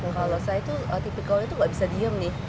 kalau saya tuh tipikalnya itu nggak bisa diem nih